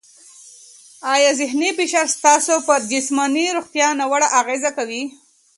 آیا ذهني فشار ستاسو پر جسماني روغتیا ناوړه اغېزه کوي؟